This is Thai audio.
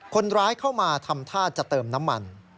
คนร้ายเข้ามาทำท่าจะเติมน้ำมัน